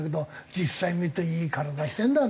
実際見るといい体してるんだね。